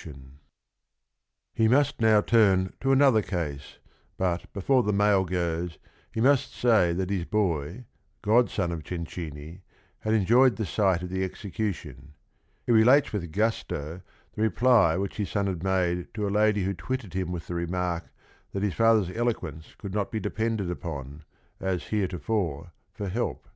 206 THE RING AND THE BOOK He must now turn to another case, but before the mail goes, he_must say that his boy, god son of Cencini, had enjoyed the sight of the ex ecution: He relates with gusto the reply which his seirhad made to a lady who twitted him with the remark that his father's eloquence could not be depended upon, as heretofore, for help.